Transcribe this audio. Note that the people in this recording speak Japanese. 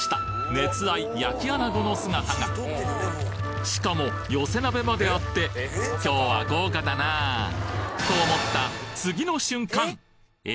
熱愛焼き穴子の姿がしかも寄せ鍋まであって今日は豪華だなと思ったえ？